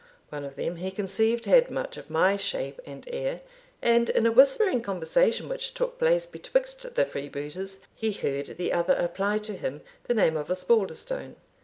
One of them, he conceived, had much of my shape and air, and in a whispering conversation which took place betwixt the freebooters, he heard the other apply to him the name of Osbaldistone.